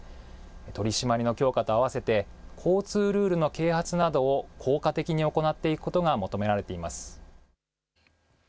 取締りの強化と併せて、交通ルールの啓発などを効果的に行っていくことが求められています。